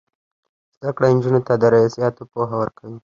زده کړه نجونو ته د ریاضیاتو پوهه ورکوي.